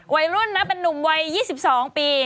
วัยรุ่นนะเป็นนุ่มวัย๒๒ปี